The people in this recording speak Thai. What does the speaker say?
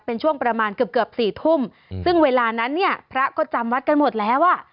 เป็นช่วงประมาณเกือบเกือบสี่ทุ่มซึ่งเวลานั้นเนี่ยพระก็จำวัดกันหมดแล้วอ่ะ